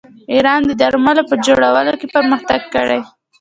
ایران د درملو په جوړولو کې پرمختګ کړی.